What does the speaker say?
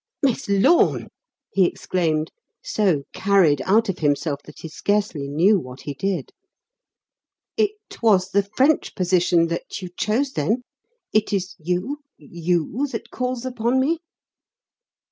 "Miss Lorne!" he exclaimed, so carried out of himself that he scarcely knew what he did. "It was the French position that you chose, then? It is you you that calls upon me?"